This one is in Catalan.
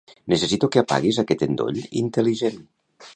Necessito que apaguis aquest endoll intel·ligent.